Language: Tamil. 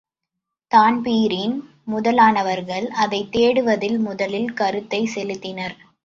தான்பிரீன் முதலானவர்கள் அதைத் தேடுவதில் முதலில் கருத்தைச் செலுத்தினர்.